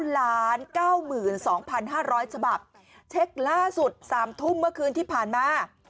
๙๒๕๐๐ฉบับเช็คล่าสุด๓ทุ่มเมื่อคืนที่ผ่านมา